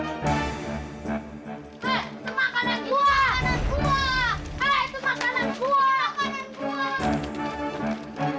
hei itu makanan gua